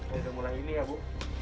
saya sudah mulai ini ya bu